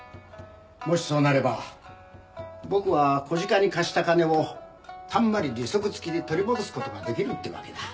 もしそうなれば僕は小鹿に貸した金をたんまり利息付きで取り戻す事が出来るってわけだ。